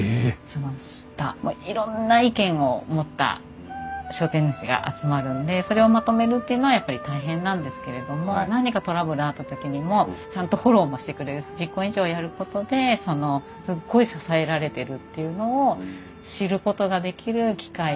いろんな意見を持った商店主が集まるんでそれをまとめるっていうのはやっぱり大変なんですけれども何かトラブルあった時にもちゃんとフォローもしてくれるし実行委員長をやることですっごい支えられてるっていうのを知ることができる機会ではありました。